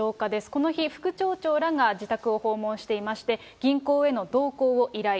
この日、副町長らが自宅を訪問していまして、銀行への同行を依頼。